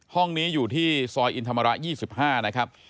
ห้องนี้อยู่ที่ซอยอินธรรมระ๒๕นะครับ